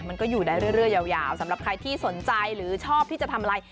มันก็อยู่ได้เรื่อยยาวสำหรับใครที่สนใจหรือชอบที่จะทำอะไร